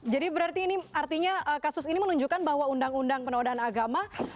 jadi berarti ini artinya kasus ini menunjukkan bahwa undang undang penodaan agama